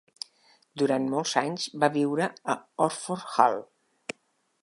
Durant molts anys va viure a Orford Hall.